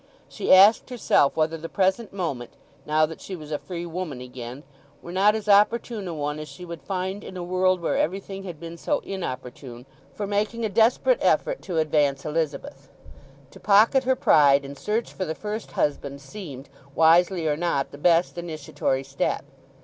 She asked herself whether the present moment, now that she was a free woman again, were not as opportune a one as she would find in a world where everything had been so inopportune, for making a desperate effort to advance Elizabeth. To pocket her pride and search for the first husband seemed, wisely or not, the best initiatory step.